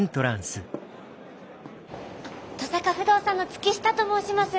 登坂不動産の月下と申します！